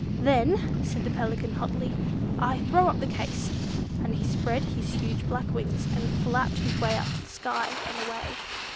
"Then," said the Pelican, hotly, "I throw up the case," and he spread his huge black wings, and flapped his way up into the sky and away.